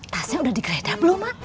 tasnya udah di kereta belum mak